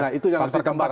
nah itu yang terkembang